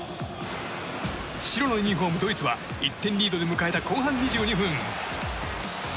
白のユニホーム、ドイツは１点リードで迎えた後半２２分。